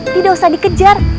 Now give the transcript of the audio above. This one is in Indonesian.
tidak usah dikejar